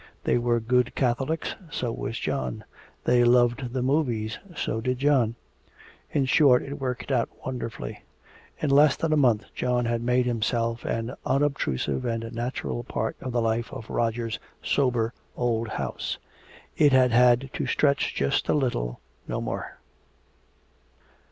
They were good Catholics so was John. They loved the movies so did John. In short, it worked out wonderfully. In less than a month John had made himself an unobtrusive and natural part of the life of Roger's sober old house. It had had to stretch just a little, no more.